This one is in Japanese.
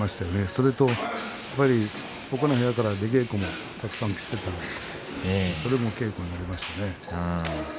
それと、ほかの部屋から出稽古もたくさん来てそれも稽古になりました。